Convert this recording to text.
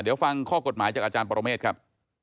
เดี๋ยวฟังข้อกฎหมายจากอาจารย์ปรเมฆครับ